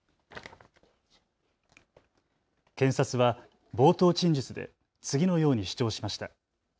検察は冒頭陳述で次のように主張しました。